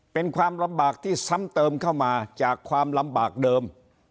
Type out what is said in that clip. เป็นความลำบากที่ซ้ำเติมเข้ามาจากความลำบากเดิม